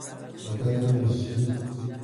مداد مشکی